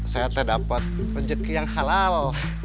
saya tete dapet rezeki yang halal